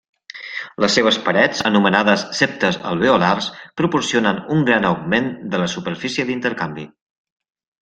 Les seves parets, anomenades septes alveolars, proporcionen un gran augment de la superfície d'intercanvi.